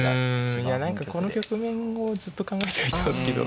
うんいや何かこの局面をずっと考えてはいたんですけど。